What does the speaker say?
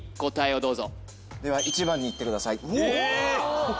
答えをどうぞでは１番にいってください